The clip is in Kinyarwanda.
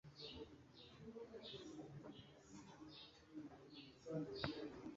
kubera ko nkunda umukobwa cyangwa umuhungu.”